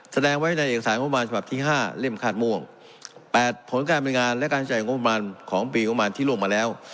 แสดงไว้ในเอกสารงบราณฉภาพที่ห้าเล่มคาดม่วงแปดผลการบริงานและการใช้งบราณของปีงบราณที่ลงมาแล้ว